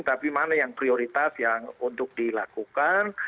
tapi mana yang prioritas yang untuk dilakukan